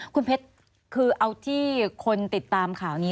คุณเพชรคือเอาที่คนติดตามข่าวนี้